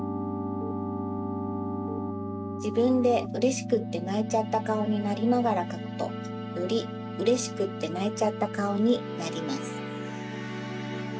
じぶんでうれしくってないちゃったかおになりながらかくとよりうれしくってないちゃったかおになります。